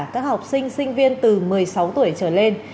các học sinh sinh viên từ một mươi sáu tuổi trở lên